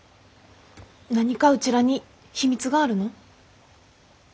何かうちらに秘密があるの？